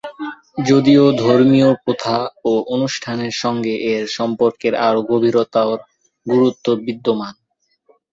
যদিও ধর্মীয় প্রথা ও অনুষ্ঠানের সঙ্গে এর সম্পর্কের আরও গভীরতর গুরুত্ব বিদ্যমান।